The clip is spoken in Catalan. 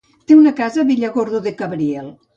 Té una casa a Villargordo del Cabriel.